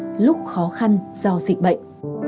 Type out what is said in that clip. người dân lúc khó khăn do dịch bệnh